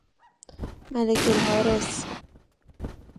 ملک الحارس